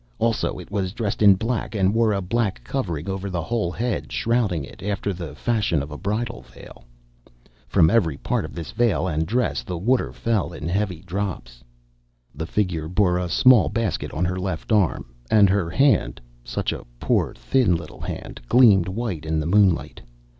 Also it was dressed in black and wore a black covering over the whole head, shrouding it, after the fashion of a bridal veil. From every part of this veil and dress the water fell in heavy drops. The figure bore a small basket on her left arm, and her hand—such a poor thin little hand—gleamed white in the moonlight.